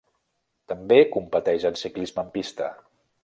També competeix en ciclisme en pista.